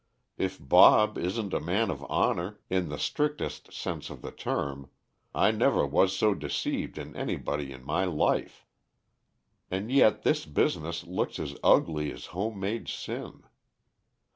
If Bob isn't a man of honor, in the strictest sense of the term, I never was so deceived in anybody in my life. And yet this business looks as ugly as home made sin.